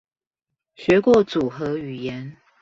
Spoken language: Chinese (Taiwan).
學過組合語言